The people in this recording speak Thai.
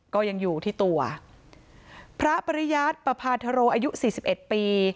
ก็ยังอยู่ที่ตัวพระปริยัติประพาทโรอายุสี่สิบเอ็ดปี